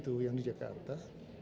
saya sudah berpunca